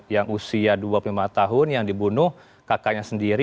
yang usia dua puluh lima tahun yang dibunuh kakaknya sendiri